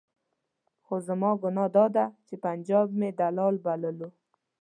خو زما ګناه دا وه چې پنجاب مې دلال بللو.